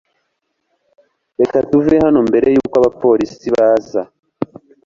Reka tuve hano mbere yuko abapolisi baza.